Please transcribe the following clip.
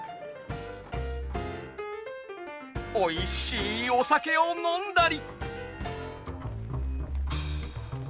おいしいお酒を飲んだり。